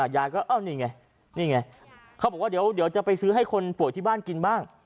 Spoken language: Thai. ยายก็เอ้านี่ไงนี่ไงเขาบอกว่าเดี๋ยวจะไปซื้อให้คนป่วยที่บ้านกินบ้าง